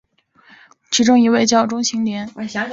其中一位叫钟行廉曾在福建篮球队做了两年球会秘书。